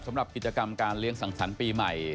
สำหรับกิจกรรมการเลี้ยงสังสรรค์ปีใหม่